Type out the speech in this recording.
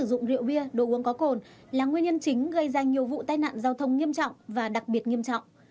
sử dụng rượu bia đồ uống có cồn là nguyên nhân chính gây ra nhiều vụ tai nạn giao thông nghiêm trọng và đặc biệt nghiêm trọng